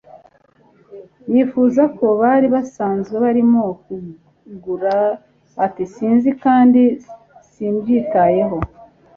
yifuza ko bari basanzwe barimo, kagure ati sinzi kandi simbyitayeho